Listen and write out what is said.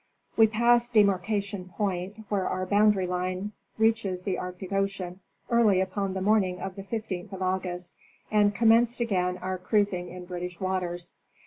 We passed Demarcation point, where our boundary line reaches the Arctic ocean, early upon the morning of the 15th of August, and commenced again our cruis ing in British waters.